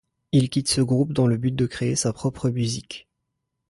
Il quitte ce groupe dans le but de créer sa propre musique.